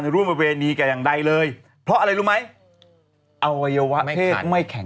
รูปคำ